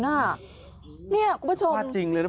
ฟาดจริงเลยนะ